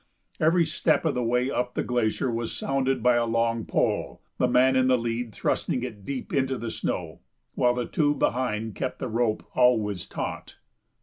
Every step of the way up the glacier was sounded by a long pole, the man in the lead thrusting it deep into the snow while the two behind kept the rope always taut.